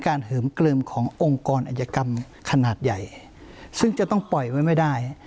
เหิมเกลิมขององค์กรอัยกรรมขนาดใหญ่ซึ่งจะต้องปล่อยไว้ไม่ได้